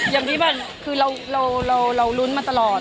อย่างที่บอกคือเรารุ้นมาตลอด